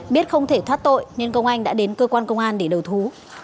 biết không thể thoát tội nên công anh đã đến cơ quan công an để đầu thú